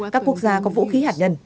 các quốc gia có vũ khí hạt nhân